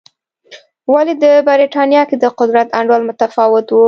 ولې د برېټانیا کې د قدرت انډول متفاوت و.